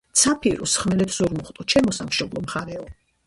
ცა ფირუზ ხმელეთ ზურმუხტო, ჩემო სამშობლო მხარეო